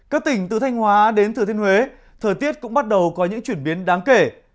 các tỉnh từ thanh hóa đến thừa thiên huế thời tiết cũng bắt đầu có những chuyển biến đáng kể